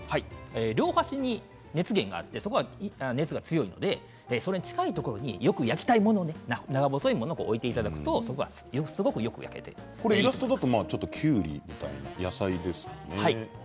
両端に熱源があってそこが熱が強いのでそれに近いところによく焼きたいもの長細いものを置いていただくとイラストだときゅうりみたいな野菜ですね。